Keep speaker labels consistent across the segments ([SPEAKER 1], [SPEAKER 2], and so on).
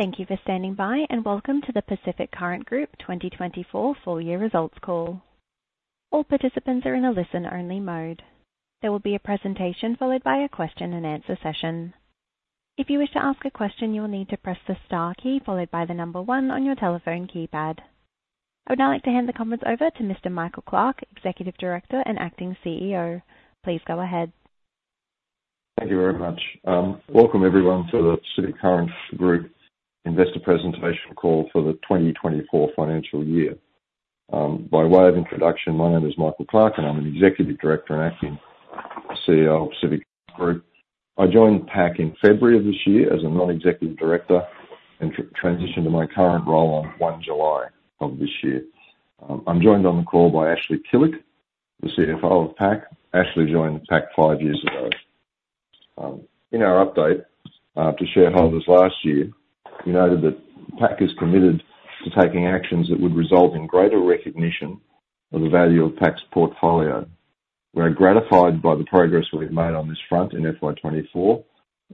[SPEAKER 1] Thank you for standing by, and welcome to the Pacific Current Group 2024 full year results call. All participants are in a listen-only mode. There will be a presentation followed by a question and answer session. If you wish to ask a question, you will need to press the star key followed by the number one on your telephone keypad. I would now like to hand the conference over to Mr. Michael Clark, Executive Director and Acting CEO. Please go ahead.
[SPEAKER 2] Thank you very much. Welcome everyone to the Pacific Current Group investor presentation call for the 2024 financial year. By way of introduction, my name is Michael Clark, and I'm an Executive Director and Acting CEO of Pacific Current Group. I joined PAC in February of this year as a non-executive director and transitioned to my current role on 1 July of this year. I'm joined on the call by Ashley Killick, the CFO of PAC. Ashley joined PAC five years ago. In our update to shareholders last year, we noted that PAC is committed to taking actions that would result in greater recognition of the value of PAC's portfolio. We're gratified by the progress we've made on this front in FY 2024,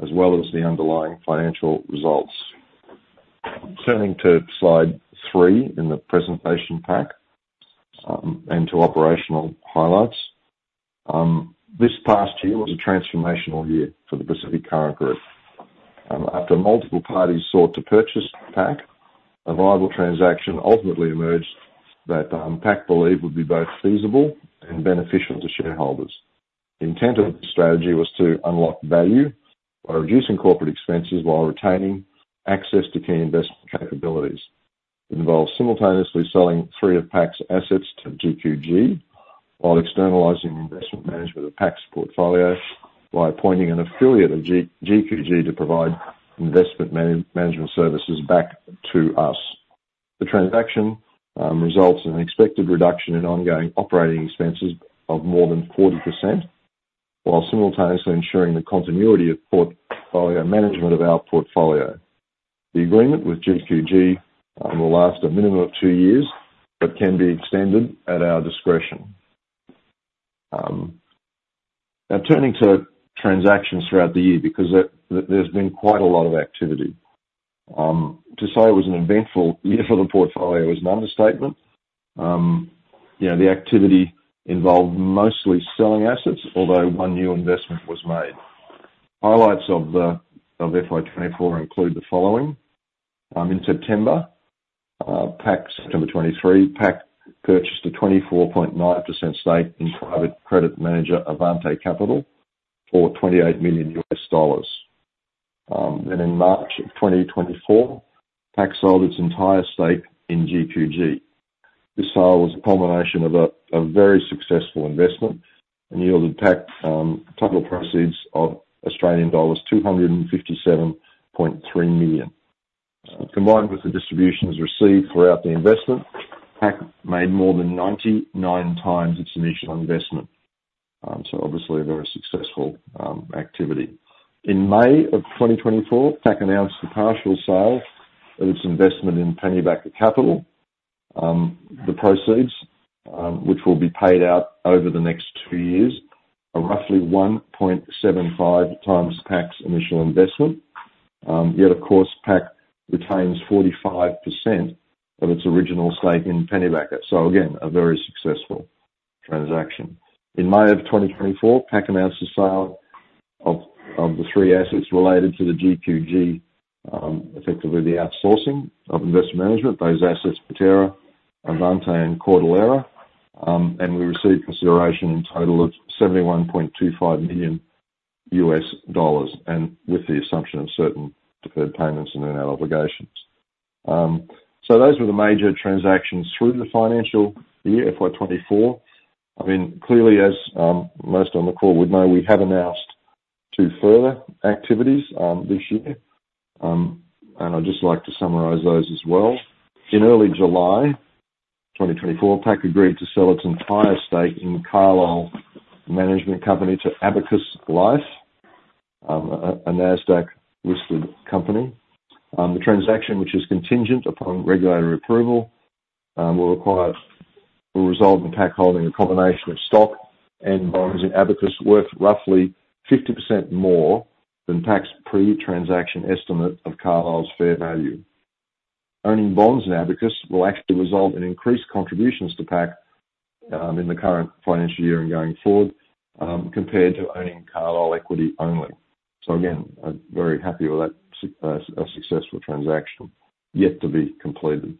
[SPEAKER 2] as well as the underlying financial results. Turning to Slide 3 in the presentation pack, and to operational highlights. This past year was a transformational year for the Pacific Current Group. After multiple parties sought to purchase PAC, a viable transaction ultimately emerged that PAC believed would be both feasible and beneficial to shareholders. The intent of the strategy was to unlock value by reducing corporate expenses while retaining access to key investment capabilities. It involves simultaneously selling three of PAC's assets to GQG, while externalizing the investment management of PAC's portfolio by appointing an affiliate of GQG to provide investment management services back to us. The transaction results in an expected reduction in ongoing operating expenses of more than 40%, while simultaneously ensuring the continuity of portfolio management of our portfolio. The agreement with GQG will last a minimum of two years, but can be extended at our discretion. Now, turning to transactions throughout the year, because there, there's been quite a lot of activity. To say it was an eventful year for the portfolio is an understatement. You know, the activity involved mostly selling assets, although one new investment was made. Highlights of FY 2024 include the following: In September 2023, PAC purchased a 24.9% stake in private credit manager Avante Capital for $28 million. Then in March 2024, PAC sold its entire stake in GQG. This sale was a culmination of a very successful investment and yielded PAC total proceeds of Australian dollars 257.3 million. Combined with the distributions received throughout the investment, PAC made more than 99 times its initial investment. So obviously a very successful activity. In May of 2024, PAC announced the partial sale of its investment in Pennybacker Capital. The proceeds, which will be paid out over the next two years, are roughly 1.75 times PAC's initial investment. Yet, of course, PAC retains 45% of its original stake in Pennybacker. So again, a very successful transaction. In May of 2024, PAC announced the sale of the three assets related to the GQG, effectively the outsourcing of investment management. Those assets, Proterra, Avante, and Cordillera, and we received consideration in total of $71.25 million, and with the assumption of certain deferred payments and earn-out obligations. So those were the major transactions through the financial year, FY 2024. I mean, clearly, as most on the call would know, we have announced two further activities this year. And I'd just like to summarize those as well. In early July 2024, PAC agreed to sell its entire stake in Carlisle Management Company to Abacus Life, a Nasdaq-listed company. The transaction, which is contingent upon regulatory approval, will result in PAC holding a combination of stock and bonds in Abacus, worth roughly 50% more than PAC's pre-transaction estimate of Carlisle's fair value. Abacus bonds in Abacus will actually result in increased contributions to PAC, in the current financial year and going forward, compared to owning Carlisle equity only. Again, I'm very happy with that successful transaction, yet to be completed.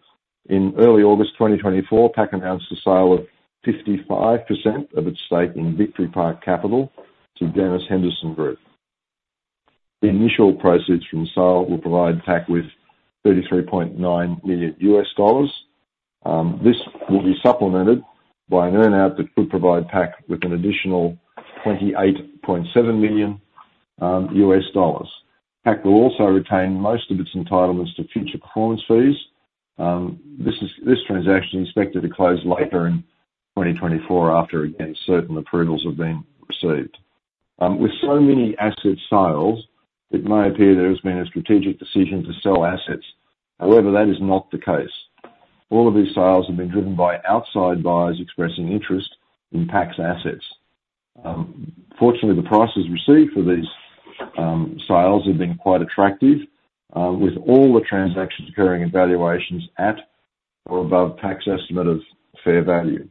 [SPEAKER 2] In early August 2024, PAC announced the sale of 55% of its stake in Victory Park Capital to Janus Henderson Group. The initial proceeds from the sale will provide PAC with $33.9 million. This will be supplemented by an earn-out that could provide PAC with an additional $28.7 million. PAC will also retain most of its entitlements to future performance fees. This transaction is expected to close later in 2024, after, again, certain approvals have been received. With so many asset sales, it may appear there has been a strategic decision to sell assets. However, that is not the case. All of these sales have been driven by outside buyers expressing interest in PAC's assets. Fortunately, the prices received for these sales have been quite attractive, with all the transactions occurring in valuations at or above PAC's estimate of fair value.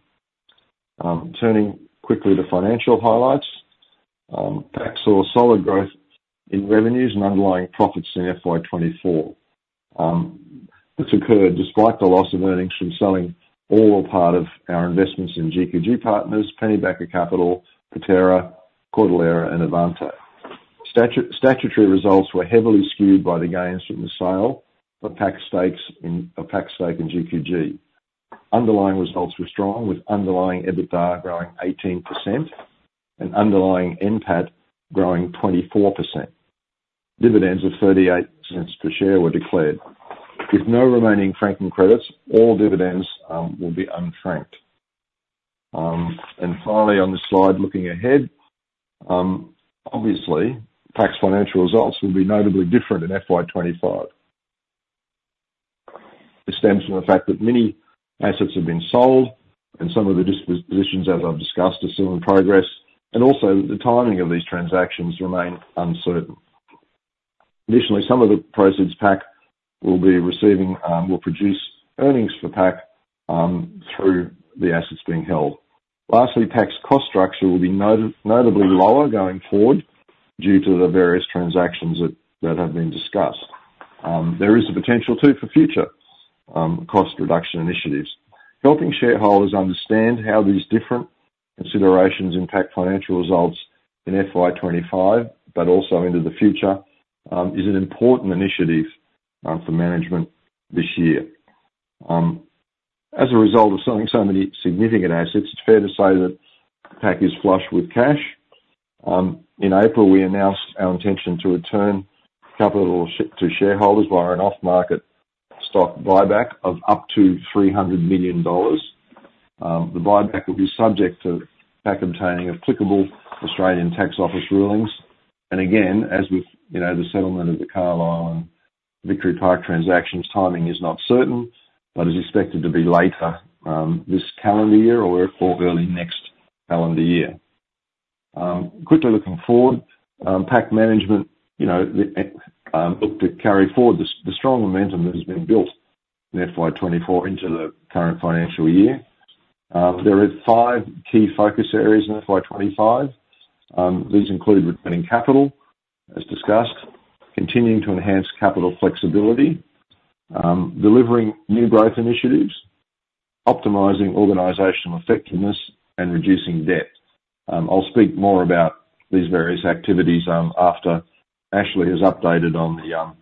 [SPEAKER 2] Turning quickly to financial highlights, PAC saw solid growth in revenues and underlying profits in FY 2024. This occurred despite the loss of earnings from selling all or part of our investments in GQG Partners, Pennybacker Capital, Proterra, Cordillera, and Avante. Statutory results were heavily skewed by the gains from the sale of PAC's stake in GQG. Underlying results were strong, with underlying EBITDA growing 18% and underlying NPAT growing 24%. Dividends of 0.38 per share were declared. With no remaining franking credits, all dividends will be unfranked. And finally, on the slide, looking ahead, obviously, PAC's financial results will be notably different in FY 2025. This stems from the fact that many assets have been sold and some of the dispositions, as I've discussed, are still in progress, and also the timing of these transactions remain uncertain. Additionally, some of the proceeds PAC will be receiving will produce earnings for PAC through the assets being held. Lastly, PAC's cost structure will be notably lower going forward due to the various transactions that have been discussed. There is the potential, too, for future cost reduction initiatives. Helping shareholders understand how these different considerations impact financial results in FY 2025, but also into the future, is an important initiative for management this year. As a result of selling so many significant assets, it's fair to say that PAC is flush with cash. In April, we announced our intention to return capital to shareholders via an off-market stock buyback of up to 300 million dollars. The buyback will be subject to PAC obtaining applicable Australian Taxation Office rulings. Again, as with, you know, the settlement of the Carlisle and Victory Park transactions, timing is not certain, but is expected to be later this calendar year or early next calendar year. Quickly looking forward, PAC management, you know, looked to carry forward the strong momentum that has been built in FY 2024 into the current financial year. There are five key focus areas in FY 2025. These include returning capital, as discussed, continuing to enhance capital flexibility, delivering new growth initiatives, optimizing organizational effectiveness, and reducing debt. I'll speak more about these various activities after Ashley has updated on them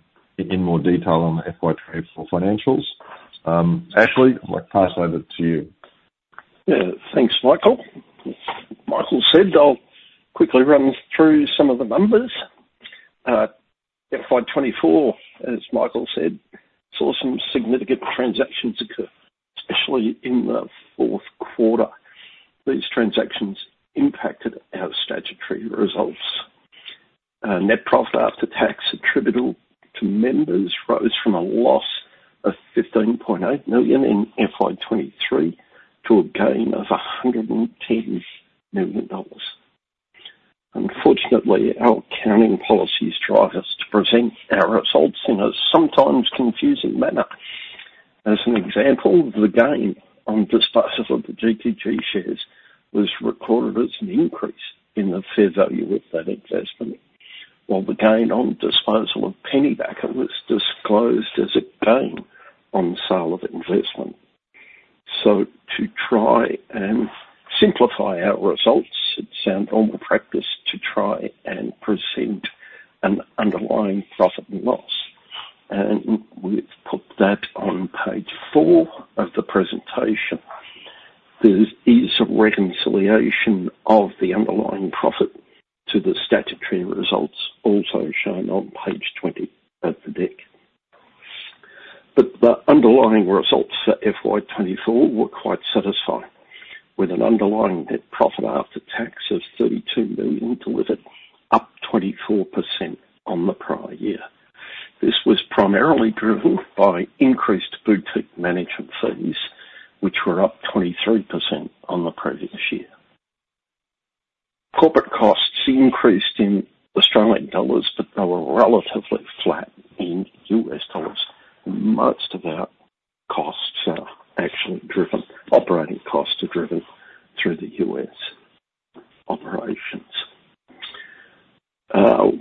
[SPEAKER 2] in more detail on the FY 2024 financials. Ashley, I'd like to pass over to you.
[SPEAKER 3] Yeah. Thanks, Michael. Michael said, I'll quickly run through some of the numbers. FY 2024, as Michael said, saw some significant transactions occur, especially in the Q4. These transactions impacted our statutory results. Net profit after tax attributable to members rose from a loss of 15.8 million in FY 2023 to a gain of 110 million dollars. Unfortunately, our accounting policies drive us to present our results in a sometimes confusing manner. As an example, the gain on disposal of the GQG shares was recorded as an increase in the fair value of that investment, while the gain on disposal of Pennybacker was disclosed as a gain on the sale of investment. So to try and simplify our results, it's our normal practice to try and present an underlying profit and loss, and we've put that on page four of the presentation. There is a reconciliation of the underlying profit to the statutory results, also shown on page 20 of the deck. But the underlying results for FY 2024 were quite satisfying, with an underlying net profit after tax of 32 million, delivered up 24% on the prior year. This was primarily driven by increased boutique management fees, which were up 23% on the previous year. Corporate costs increased in Australian dollars, but they were relatively flat in US dollars. Most of our costs are actually driven through the US operations.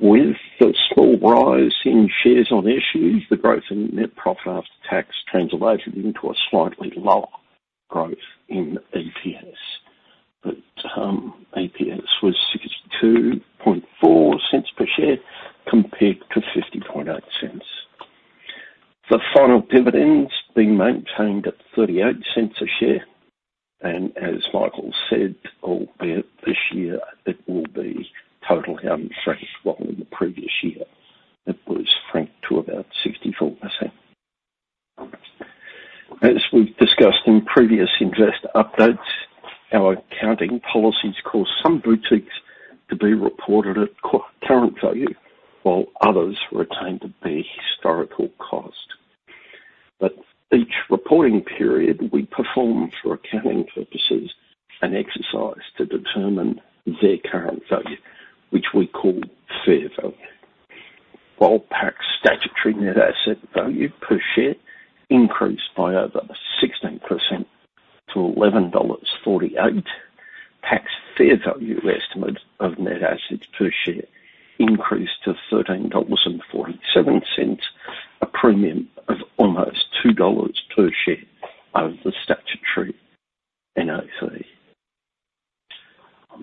[SPEAKER 3] With the small rise in shares on issue, the growth in net profit after tax translated into a slightly lower growth in EPS. But EPS was 0.624 per share, compared to 0.508. The final dividend's being maintained at 0.38 per share, and as Michael said, albeit this year, it will be totally unfranked, while in the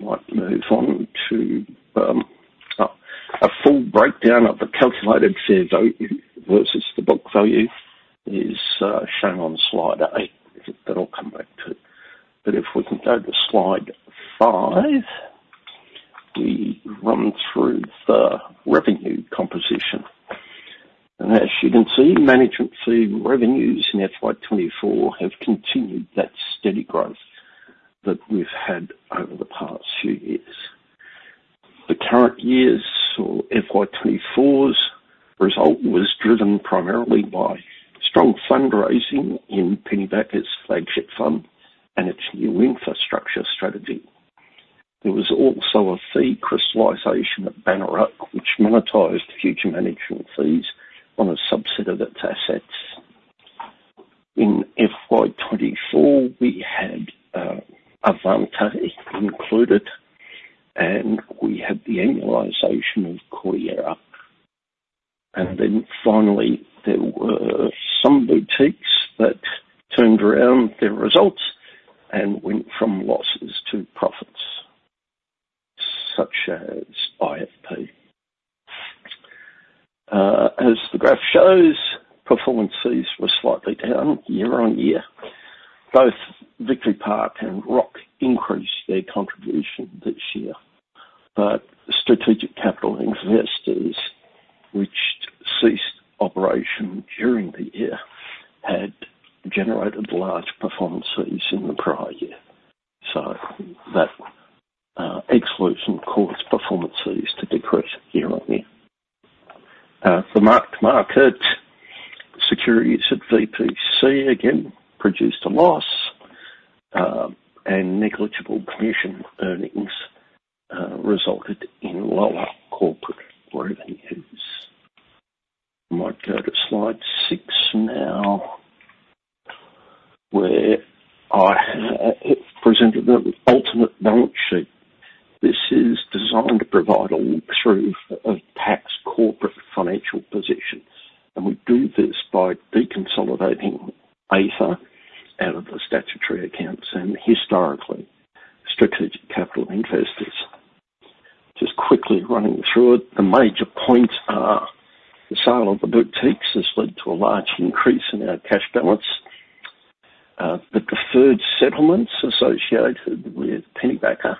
[SPEAKER 3] previous year it was franked to about 64%. As we've discussed in previous investor updates, our accounting policies cause some boutiques to be reported at current value, while others retain their historical cost. But each reporting period, we perform, for accounting purposes, an exercise to determine their current value, which we call fair value. While PAC's statutory net asset value per share increased by over 16% to AUD 11.48, PAC's fair value estimate of net assets per share increased to AUD 13.47, a premium of almost AUD 2 per share over the statutory NAV. I might move on to a full breakdown of the calculated fair value versus the book value is shown on slide eight. That I'll come back to. But if we can go to slide five, we run through the revenue composition, and as you can see, management fee revenues in FY 2024 have continued that steady growth that we've had over the past few years. The current year's, or FY 2024, result was driven primarily by strong fundraising in Pennybacker's flagship fund and its new infrastructure strategy. There was also a fee crystallization at Bannockburn, which monetized future management fees on a subset of its assets. In FY 2024, we had Avante included, and we had the annualization of Cordillera. And then finally, there were some boutiques that turned around their results and went from losses to profits, such as IFP. As the graph shows, performance fees were slightly down year-on-year. Both Victory Park and Roc increased their contribution this year. But Strategic Capital Investors, which ceased operation during the year, had generated large performance fees in the prior year, so that exclusion caused performance fees to decrease year-on-year. The marked-to-market securities at VPC, again, produced a loss, and negligible commission earnings resulted in lower corporate revenues. Might go to slide six now, where I have presented the ultimate balance sheet. This is designed to provide a walkthrough of PAC's corporate financial positions, and we do this by deconsolidating Aether out of the statutory accounts and, historically, Strategic Capital Investors. Just quickly running through it, the major points are: the sale of the boutiques has led to a large increase in our cash balance. The deferred settlements associated with Pennybacker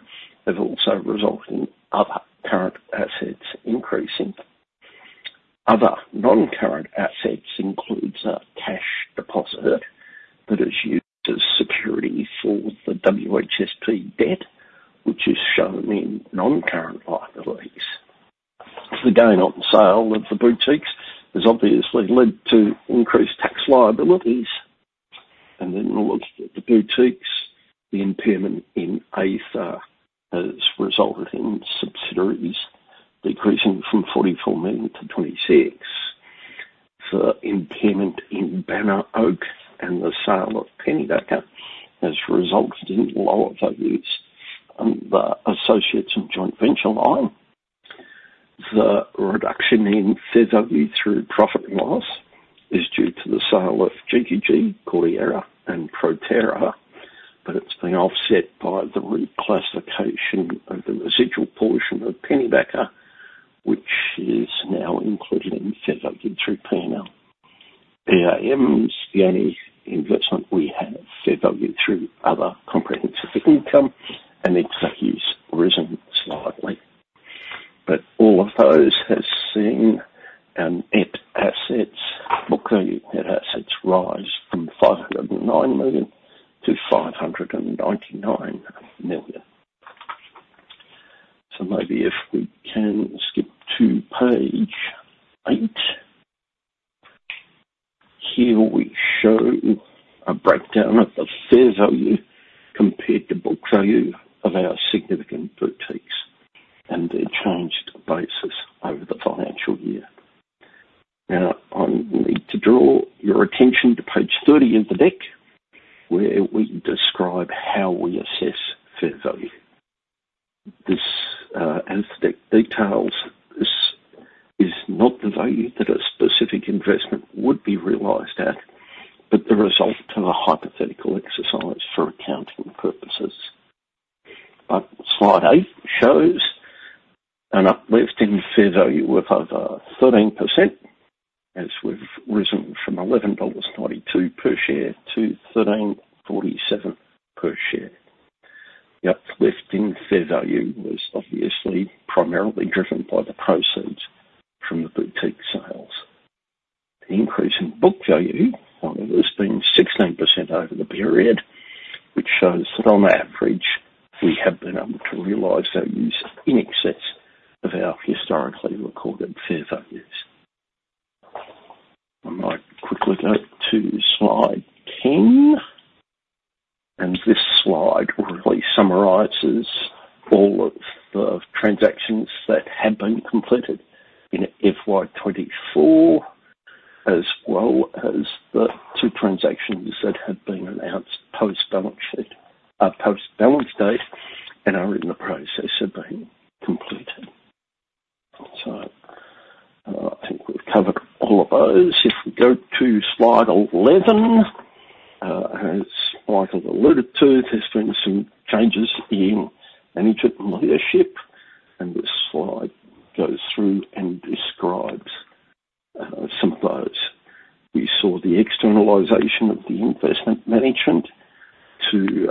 [SPEAKER 3] have also resulted in other current assets increasing. Other non-current assets includes a cash deposit that is used as security for the WHSP debt, which is shown in non-current liabilities. The gain on sale of the boutiques has obviously led to increased tax liabilities. And then we'll look at the boutiques. The impairment in Aether has resulted in subsidiaries decreasing from forty-four million to 26. The impairment in Banner Oak and the sale of Pennybacker has resulted in lower values on the associates and joint venture line. The reduction in fair value through profit and loss is due to the sale of GQG, Cordillera, and Proterra, but it's been offset by the reclassification of the residual portion of Pennybacker, which is now included in fair value through P&L. EAM is the only investment we have fair value through other comprehensive income, and it's risen slightly. But all of those has seen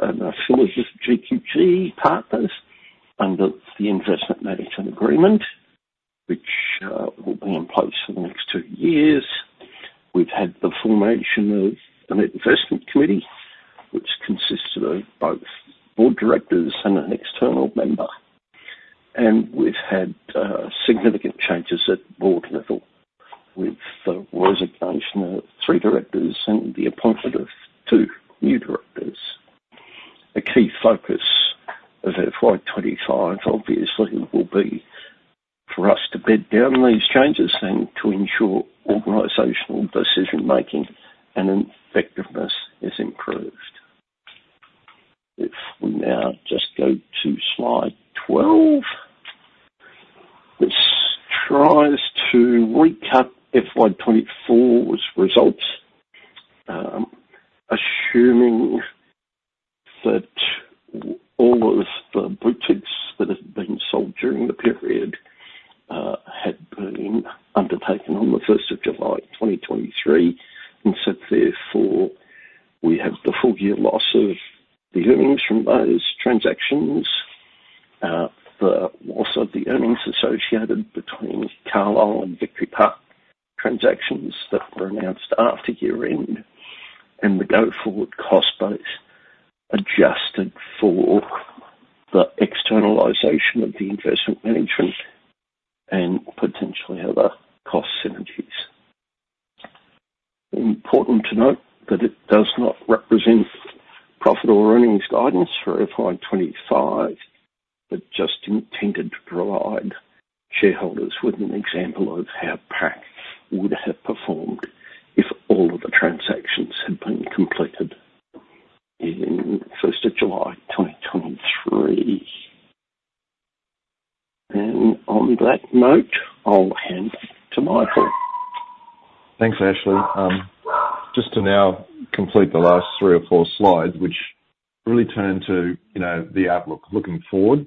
[SPEAKER 3] an affiliate of GQG Partners under the Investment Management Agreement, which will be in place for the next two years. We've had the formation of an investment committee, which consists of both board directors and an external member. And we've had significant changes at board level, with the resignation of three directors and the appointment of two new directors. A key focus of FY 2025, obviously, will be for us to bed down these changes and to ensure organizational decision-making and effectiveness is improved. If we now just go to slide 12, which tries to recap FY 2024's results, assuming that all of the boutiques that have been sold during the period, had been undertaken on July 1, 2023, and so therefore, we have the full year loss of the earnings from those transactions. The loss of the earnings associated between Carlisle and Victory Park transactions that were announced after year-end, and the go-forward cost base, adjusted for the externalization of the investment management and potentially other cost synergies. Important to note that it does not represent profit or earnings guidance for FY 2025, but just intended to provide shareholders with an example of how PAC would have performed if all of the transactions had been completed in first of July, 2023. And on that note, I'll hand back to Michael.
[SPEAKER 2] Thanks, Ashley. Just to now complete the last three or four slides, which really turn to, you know, the outlook looking forward.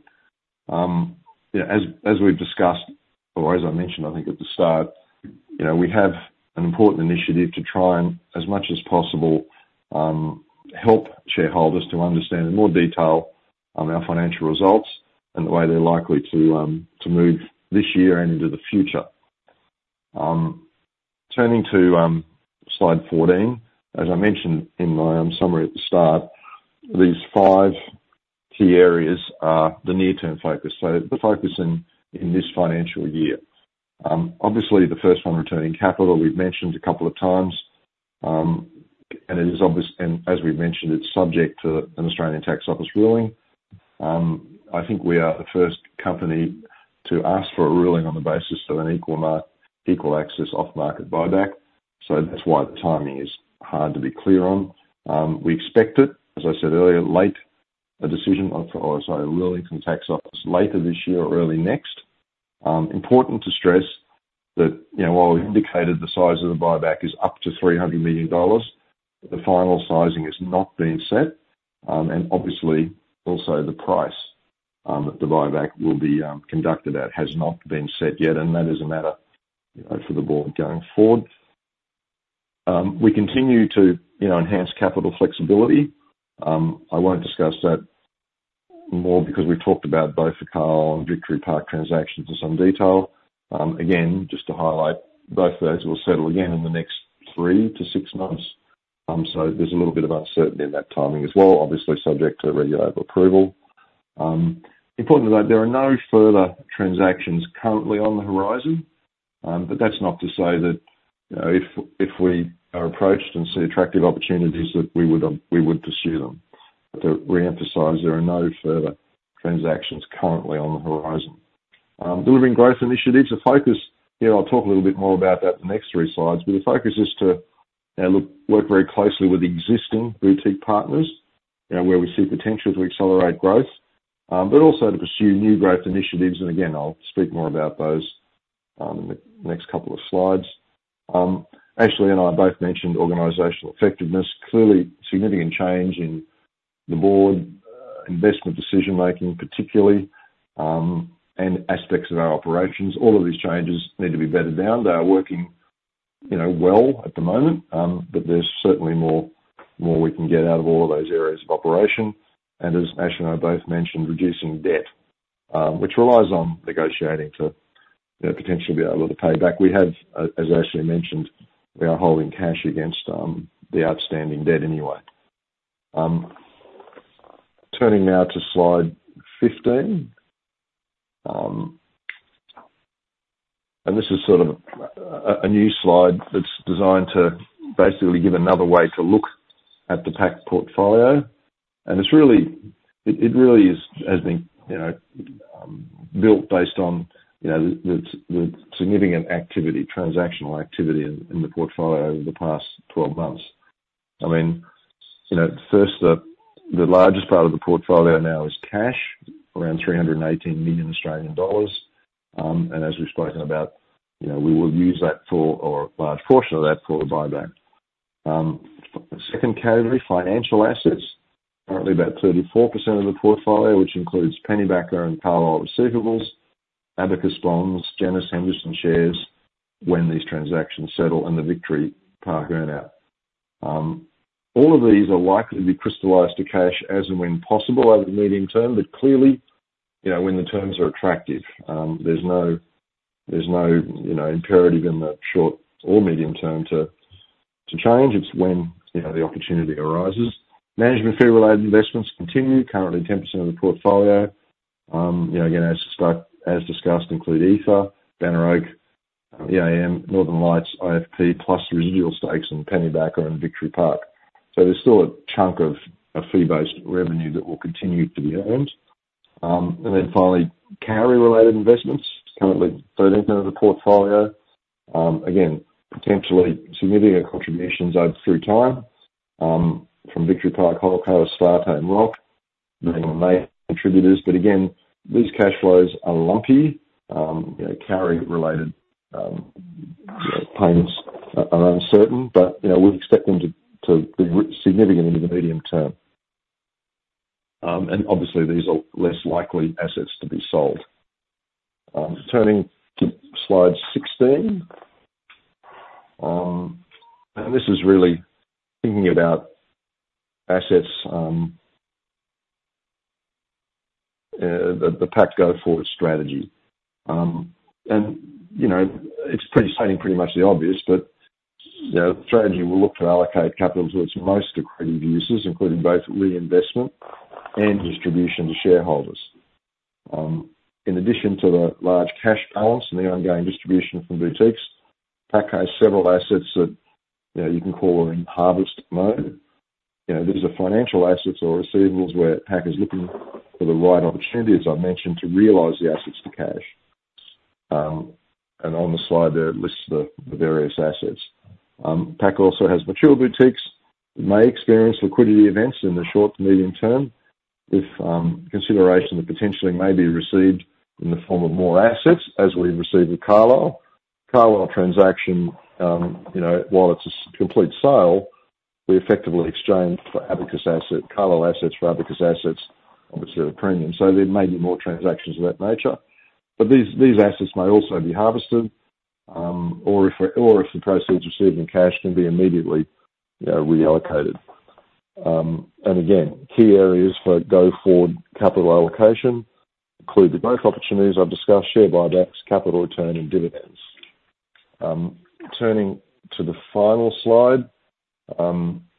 [SPEAKER 2] You know, as we've discussed, or as I mentioned, I think at the start, you know, we have an important initiative to try and, as much as possible, help shareholders to understand in more detail our financial results and the way they're likely to move this year and into the future. Turning to slide fourteen, as I mentioned in my summary at the start, these five key areas are the near-term focus, so the focus in this financial year. Obviously the first one, returning capital, we've mentioned a couple of times. And as we've mentioned, it's subject to an Australian Taxation Office ruling. I think we are the first company to ask for a ruling on the basis of an equal access off-market buyback, so that's why the timing is hard to be clear on. We expect it, as I said earlier, late. A decision on, or sorry, a ruling from Tax Office later this year or early next. Important to stress that, you know, while we've indicated the size of the buyback is up to 300 million dollars, the final sizing has not been set. And obviously, also the price that the buyback will be conducted at has not been set yet, and that is a matter, you know, for the board going forward. We continue to, you know, enhance capital flexibility. I won't discuss that more because we've talked about both the Carlisle and Victory Park transactions in some detail. Again, just to highlight, both of those will settle again in the next three to six months. So there's a little bit of uncertainty in that timing as well, obviously subject to regulatory approval. Important to note, there are no further transactions currently on the horizon, but that's not to say that, you know, if, if we are approached and see attractive opportunities that we would, we wouldn't pursue them. But to reemphasize, there are no further transactions currently on the horizon. Delivering growth initiatives, the focus... You know, I'll talk a little bit more about that in the next three slides, but the focus is to work very closely with existing boutique partners, where we see potential to accelerate growth, but also to pursue new growth initiatives, and again, I'll speak more about those in the next couple of slides. Ashley and I both mentioned organizational effectiveness. Clearly, significant change in the board, investment decision-making particularly, and aspects of our operations. All of these changes need to be bedded down. They are working, you know, well at the moment, but there's certainly more we can get out of all of those areas of operation. And as Ashley and I both mentioned, reducing debt, which relies on negotiating to, you know, potentially be able to pay back. We have, as Ashley mentioned, we are holding cash against, the outstanding debt anyway. Turning now to slide 15. And this is sort of a new slide that's designed to basically give another way to look at the PAC portfolio. And it's really. It really is, has been, you know, built based on, you know, the significant transactional activity in the portfolio over the past 12 months. I mean, you know, first, the largest part of the portfolio now is cash, around 318 million Australian dollars. And as we've spoken about, you know, we will use that for, or a large portion of that, for a buyback. Second category, financial assets, currently about 34% of the portfolio, which includes Pennybacker and parallel receivables, Abacus bonds, Janus Henderson shares, when these transactions settle, and the Victory Park earn out. All of these are likely to be crystallized to cash as and when possible over the medium term, but clearly, you know, when the terms are attractive. There's no you know, imperative in the short or medium term to change. It's when, you know, the opportunity arises. Management fee-related investments continue, currently 10% of the portfolio. You know, again, as discussed, include Aether, Banner Oak, EAM, Northern Lights, IFP, plus residual stakes in Pennybacker and Victory Park. So there's still a chunk of a fee-based revenue that will continue to be earned. And then finally, carry-related investments, currently 13% of the portfolio. Again, potentially significant contributions over through time from Victory Park, Holcomb, Slates and Rock, the main contributors. But again, these cash flows are lumpy. You know, carry-related, you know, payments are uncertain, but, you know, we'd expect them to be significant into the medium term. And obviously, these are less likely assets to be sold. Turning to slide 16. And this is really thinking about assets, the PAC go forward strategy. And, you know, it's pretty much saying pretty much the obvious, but, you know, the strategy will look to allocate capital to its most accretive uses, including both reinvestment and distribution to shareholders. In addition to the large cash balance and the ongoing distribution from boutiques, PAC has several assets that, you know, you can call in harvest mode. You know, these are financial assets or receivables where PAC is looking for the right opportunity, as I mentioned, to realize the assets to cash. And on the slide there, it lists the various assets. PAC also has mature boutiques that may experience liquidity events in the short to medium term if consideration potentially may be received in the form of more assets, as we received with Carlisle. Carlisle transaction, you know, while it's a complete sale, we effectively exchanged for Abacus asset, Carlisle assets for Abacus assets, obviously at a premium. So there may be more transactions of that nature. But these assets may also be harvested, or if the proceeds received in cash can be immediately, you know, reallocated. And again, key areas for go forward capital allocation include the growth opportunities I've discussed, share buybacks, capital return, and dividends. Turning to the final slide,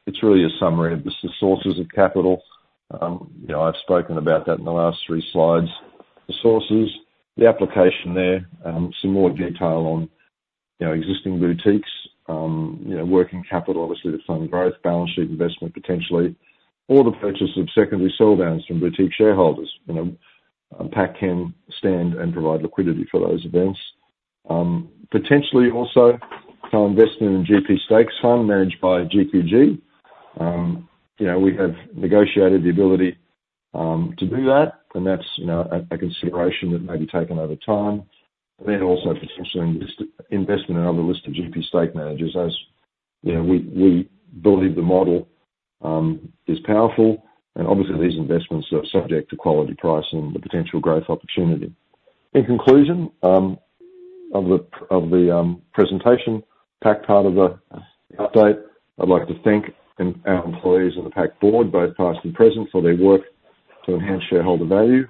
[SPEAKER 2] it's really a summary of the sources of capital. You know, I've spoken about that in the last three slides. The sources, the application there, some more detail on, you know, existing boutiques, you know, working capital, obviously, the funding growth, balance sheet investment, potentially, or the purchase of secondary sell downs from boutique shareholders. You know, PAC can stand and provide liquidity for those events. Potentially also co-invest in a GP stakes fund managed by GQG. You know, we have negotiated the ability to do that, and that's, you know, a consideration that may be taken over time. And then also potentially invest in a number of listed GP stake managers as... You know, we believe the model is powerful, and obviously these investments are subject to quality, price, and the potential growth opportunity. In conclusion of the presentation, PAC part of the update, I'd like to thank our employees and the PAC board, both past and present, for their work to enhance shareholder value.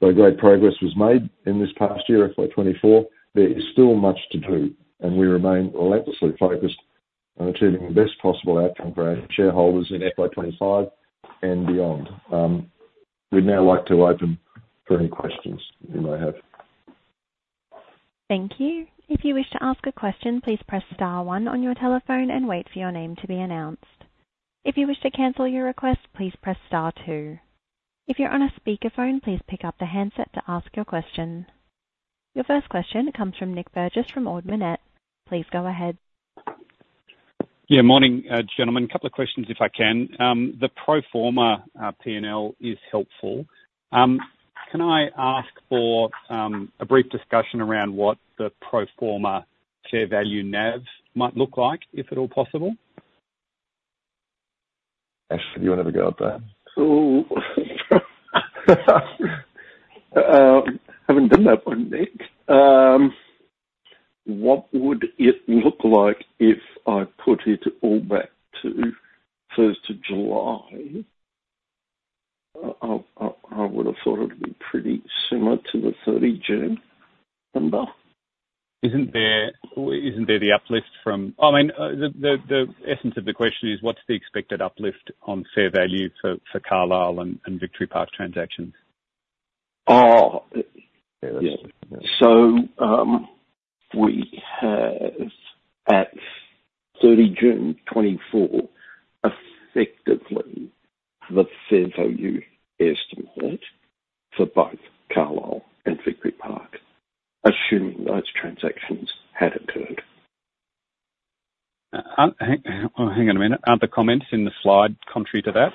[SPEAKER 2] Though great progress was made in this past year, FY 2024, there is still much to do, and we remain relentlessly focused on achieving the best possible outcome for our shareholders in FY 2025 and beyond. We'd now like to open for any questions you may have.
[SPEAKER 1] Thank you. If you wish to ask a question, please press star one on your telephone and wait for your name to be announced. If you wish to cancel your request, please press star two. If you're on a speakerphone, please pick up the handset to ask your question. Your first question comes from Nick Burgess, from Ord Minnett. Please go ahead.
[SPEAKER 4] Yeah, morning, gentlemen. A couple of questions, if I can. The pro forma PNL is helpful. Can I ask for a brief discussion around what the pro forma share value nav might look like, if at all possible?
[SPEAKER 2] Ash, do you want to have a go at that?
[SPEAKER 3] I haven't done that one, Nick. What would it look like if I put it all back to first of July? I would have thought it'd be pretty similar to the thirty June number.
[SPEAKER 4] Isn't there the uplift from? I mean, the essence of the question is, what's the expected uplift on fair value for Carlisle and Victory Park transactions?
[SPEAKER 3] Oh, yeah. So, we have, at 30 June 2024, effectively the fair value estimate for both Carlisle and Victory Park, assuming those transactions had occurred.
[SPEAKER 4] Hang on a minute. Aren't the comments in the slide contrary to that?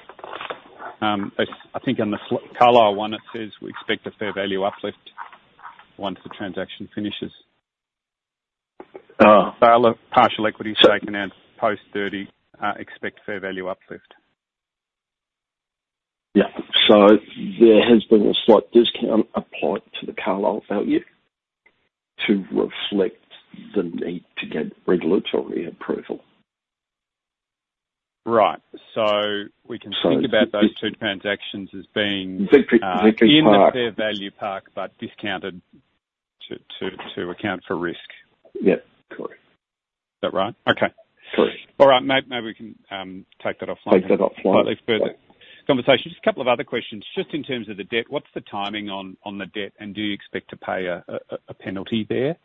[SPEAKER 4] I think on the Carlisle one, it says, "We expect a fair value uplift once the transaction finishes.
[SPEAKER 3] Uh-
[SPEAKER 4] Sale of partial equity stake in our Pennybacker. Expect fair value uplift.
[SPEAKER 3] Yeah. So there has been a slight discount applied to the Carlisle value to reflect the need to get regulatory approval.
[SPEAKER 4] Right. So we can think about those two transactions as being-
[SPEAKER 3] Victory Park.
[SPEAKER 4] In the fair value mark, but discounted to account for risk.
[SPEAKER 3] Yeah, correct.
[SPEAKER 4] Is that right? Okay.
[SPEAKER 3] Correct.
[SPEAKER 4] All right, maybe we can take that offline.
[SPEAKER 3] Take that offline.
[SPEAKER 4] Slightly further conversation. Just a couple of other questions. Just in terms of the debt, what's the timing on the debt, and do you expect to pay a penalty there?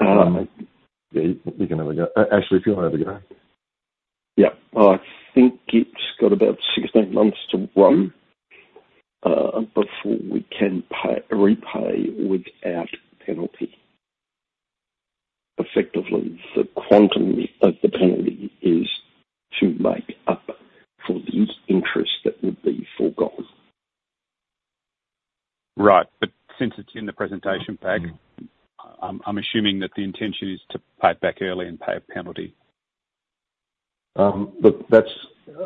[SPEAKER 2] Yeah, you can have a go. Ashley, if you want to have a go.
[SPEAKER 3] Yeah. I think it's got about sixteen months to run before we can repay without penalty. Effectively, the quantum of the penalty is to make up for the interest that would be forgone.
[SPEAKER 4] Right. But since it's in the presentation pack, I'm assuming that the intention is to pay it back early and pay a penalty.
[SPEAKER 2] Look, that's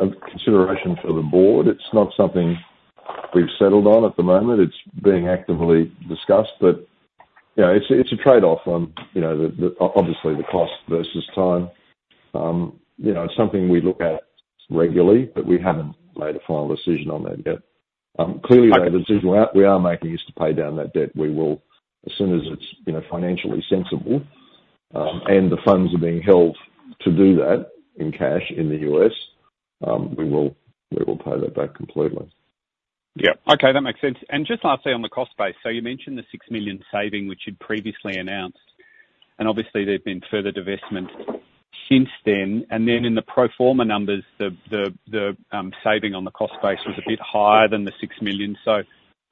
[SPEAKER 2] a consideration for the board. It's not something we've settled on at the moment. It's being actively discussed. But, you know, it's a trade-off on, you know, obviously the cost versus time. You know, it's something we look at regularly, but we haven't made a final decision on that yet. Clearly, the decision we are making is to pay down that debt. We will, as soon as it's, you know, financially sensible, and the funds are being held to do that in cash in the US, we will pay that back completely.
[SPEAKER 4] Yeah. Okay, that makes sense. And just lastly, on the cost base: so you mentioned the six million saving, which you'd previously announced, and obviously there've been further divestment since then. And then in the pro forma numbers, the saving on the cost base was a bit higher than the six million. So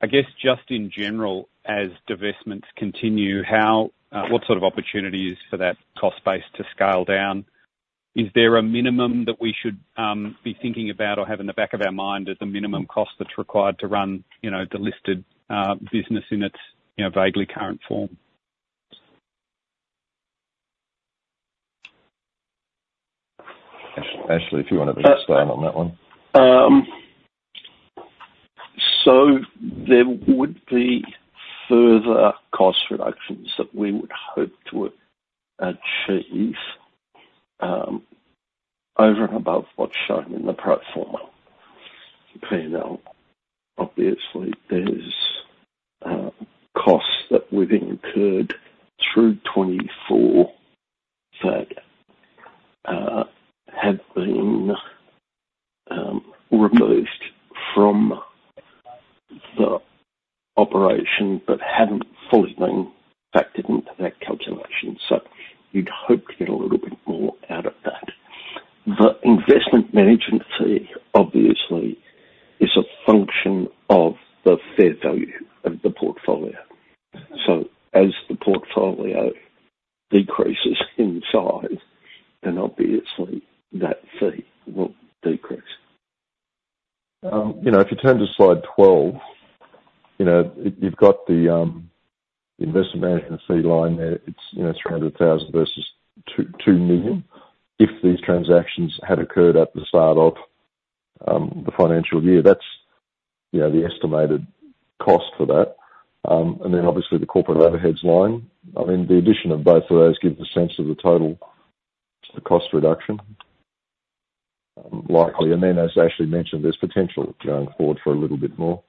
[SPEAKER 4] I guess, just in general, as divestments continue, what sort of opportunity is for that cost base to scale down? Is there a minimum that we should be thinking about or have in the back of our mind as a minimum cost that's required to run, you know, the listed business in its, you know, vaguely current form?
[SPEAKER 2] Ashley, if you want to put a stamp on that one.
[SPEAKER 3] So there would be further cost reductions that we would hope to achieve, over and above what's shown in the pro forma. You know, obviously, there's costs that we've incurred through 2024 that have been removed from the operation but hadn't fully been factored into that calculation. So you'd hope to get a little bit more out of that. The investment management fee, obviously, is a function of the fair value of the portfolio. So as the portfolio decreases in size, then obviously that fee will decrease.
[SPEAKER 2] You know, if you turn to slide twelve, you know, you've got the investment management fee line there. It's, you know, three hundred thousand versus two million. If these transactions had occurred at the start of the financial year, that's, you know, the estimated cost for that. And then obviously, the corporate overheads line. I mean, the addition of both of those gives a sense of the total cost reduction likely. And then, as Ashley mentioned, there's potential going forward for a little bit more.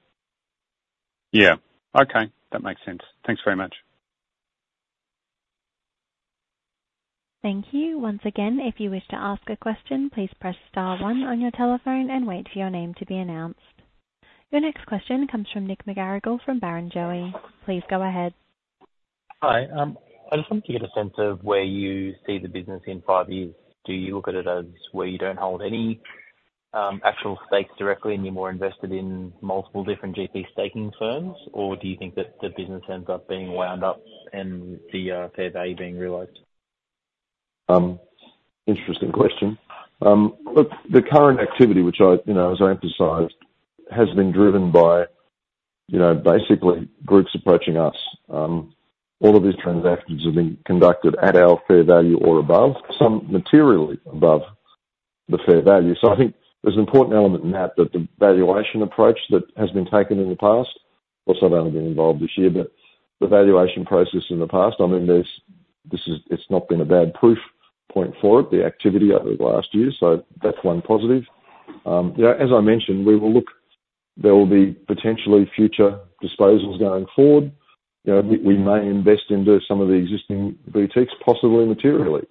[SPEAKER 4] Yeah. Okay, that makes sense. Thanks very much.
[SPEAKER 1] Thank you. Once again, if you wish to ask a question, please press star one on your telephone and wait for your name to be announced. Your next question comes from Nick McGarrigle from Barrenjoey. Please go ahead.
[SPEAKER 5] Hi. I just wanted to get a sense of where you see the business in five years. Do you look at it as where you don't hold any actual stakes directly and you're more invested in multiple different GP staking firms? Or do you think that the business ends up being wound up and the fair value being realized?
[SPEAKER 2] Interesting question. Look, the current activity, which I, you know, as I emphasized, has been driven by, you know, basically groups approaching us. All of these transactions have been conducted at our fair value or above, some materially above the fair value. So I think there's an important element in that, that the valuation approach that has been taken in the past, of course, I've only been involved this year, but the valuation process in the past, I mean, this is not a bad proof point for it, the activity over the last year. So that's one positive. Yeah, as I mentioned, we will look. There will be potentially future disposals going forward. You know, we may invest into some of the existing boutiques, possibly materially.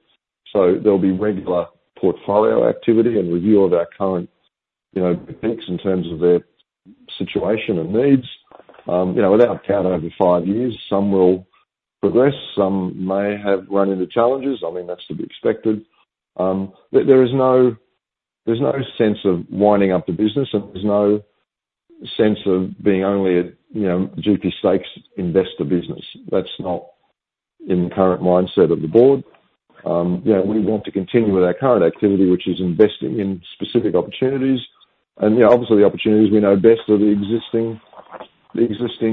[SPEAKER 2] So there'll be regular portfolio activity and review of our current, you know, picks in terms of their situation and needs. You know, without a doubt, over five years, some will progress, some may have run into challenges. I mean, that's to be expected. There is no, there's no sense of winding up the business, and there's no sense of being only a, you know, GP stakes investor business. That's not in the current mindset of the board. You know, we want to continue with our current activity, which is investing in specific opportunities, and, you know, obviously, the opportunities we know best are the existing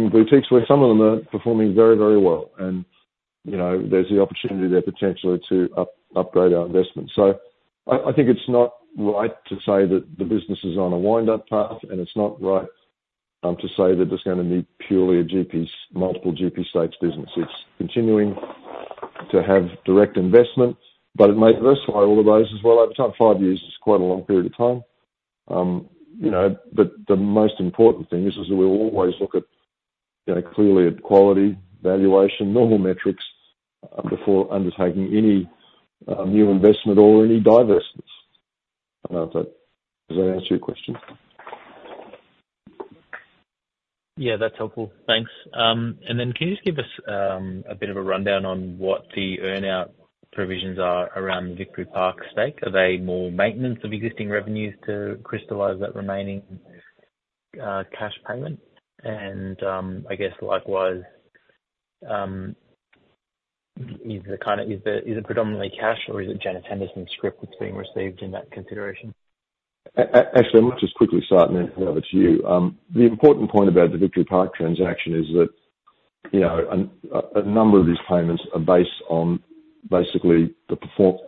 [SPEAKER 2] boutiques, where some of them are performing very, very well. And, you know, there's the opportunity there potentially to upgrade our investment. So I think it's not right to say that the business is on a wind-up path, and it's not right to say that it's gonna be purely a GP multiple GP stakes business. It's continuing to have direct investment, but it may diversify all of those as well. Over time, five years is quite a long period of time. You know, but the most important thing is that we'll always look at, you know, clearly at quality, valuation, normal metrics before undertaking any new investment or any divestments. I don't know if that... Does that answer your question?
[SPEAKER 5] Yeah, that's helpful. Thanks. And then can you just give us a bit of a rundown on what the earn-out provisions are around the Victory Park stake? Are they more maintenance of existing revenues to crystallize that remaining cash payment? And I guess likewise, is it predominantly cash, or is it Janus Henderson scrip that's being received in that consideration?
[SPEAKER 2] Actually, I might just quickly start, and then hand over to you. The important point about the Victory Park transaction is that, you know, a number of these payments are based on basically the performance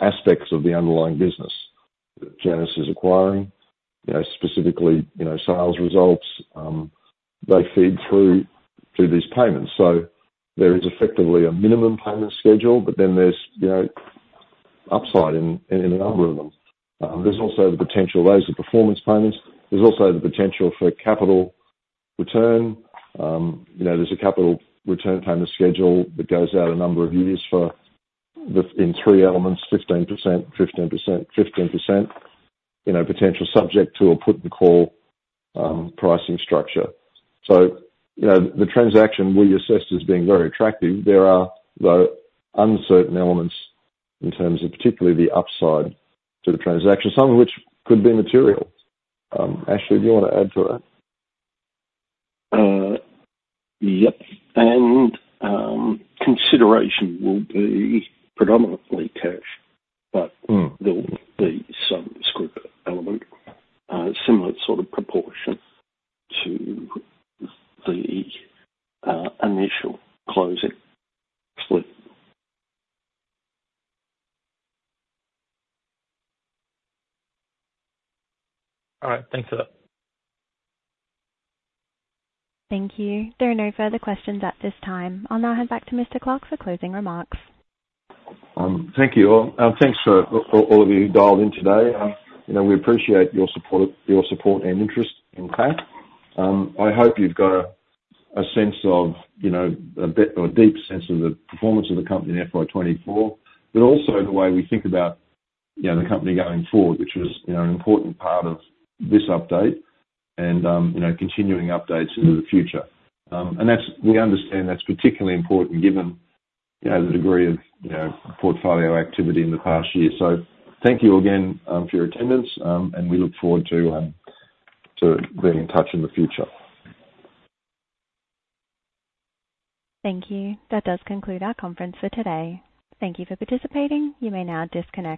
[SPEAKER 2] aspects of the underlying business that Janus is acquiring. You know, specifically, you know, sales results, they feed through to these payments. So there is effectively a minimum payment schedule, but then there's, you know, upside in a number of them. Those are performance payments. There's also the potential for a capital return. You know, there's a capital return payment schedule that goes out a number of years for the, in three elements, 15%, 15%, 15%, you know, potential subject to a put and call pricing structure. So, you know, the transaction we assessed as being very attractive. There are, though, uncertain elements in terms of particularly the upside to the transaction, some of which could be material. Ashley, do you want to add to that?
[SPEAKER 3] Yep, and consideration will be predominantly cash-
[SPEAKER 2] Mm.
[SPEAKER 3] but there will be some scrip element, similar sort of proportion to the initial closing split.
[SPEAKER 5] All right, thanks for that.
[SPEAKER 1] Thank you. There are no further questions at this time. I'll now hand back to Mr. Clark for closing remarks.
[SPEAKER 2] Thank you all, and thanks for all of you who dialed in today. You know, we appreciate your support and interest in PAC. I hope you've got a sense of, you know, a bit or a deep sense of the performance of the company in FY 2024, but also the way we think about, you know, the company going forward, which was, you know, an important part of this update and, you know, continuing updates into the future. And that's. We understand that's particularly important given, you know, the degree of, you know, portfolio activity in the past year. So thank you again for your attendance, and we look forward to being in touch in the future.
[SPEAKER 1] Thank you. That does conclude our conference for today. Thank you for participating. You may now disconnect.